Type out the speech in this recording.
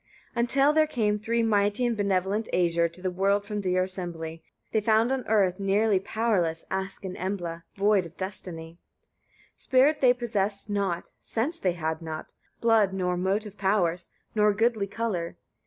17. Until there came three mighty and benevolent Æsir to the world from their assembly. They found on earth, nearly powerless, Ask and Embla, void of destiny. 18. Spirit they possessed not, sense they had not, blood nor motive powers, nor goodly colour.